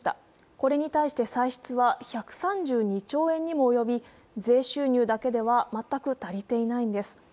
これに対して歳出は１３２兆円にも及び税収入だけでは全く足りていないんです。